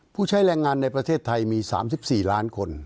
ผู้ใช้แรงงานในประเทศไทยมี๓๔ล้านคน